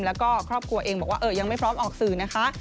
แล้วก็ครอบครัวเองบอกว่ายังไม่พร้อมออกสื่อนะคะ